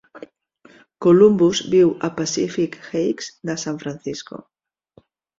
Columbus viu a Pacific Heights de San Francisco.